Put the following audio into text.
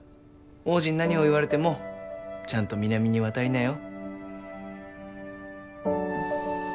王子に何を言われてもちゃんと南に渡りなよ。